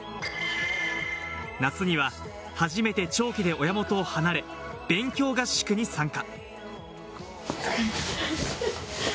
夏には初めて長期で親元を離れ、勉強合宿に参加。